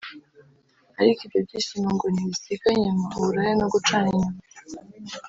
Ariko ibyo byishimo ngo ntibisiga inyuma uburaya no gucana inyuma